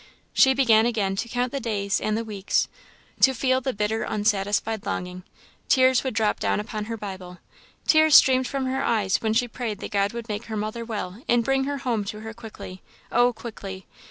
She began again to count the days and the weeks; to feel the bitter unsatisfied longing. Tears would drop down upon her Bible; tears streamed from her eyes when she prayed that God would make her mother well and bring her home to her quickly oh! quickly!